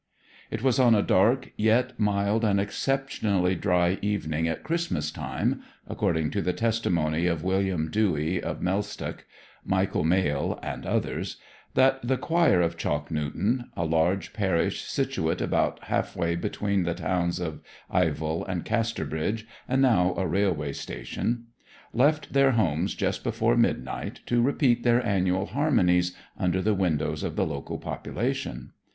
It was on a dark, yet mild and exceptionally dry evening at Christmas time (according to the testimony of William Dewy of Mellstock, Michael Mail, and others), that the choir of Chalk Newton a large parish situate about half way between the towns of Ivel and Casterbridge, and now a railway station left their homes just before midnight to repeat their annual harmonies under the windows of the local population.